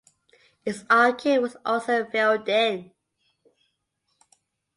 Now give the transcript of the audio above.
Its arcade was also filled in.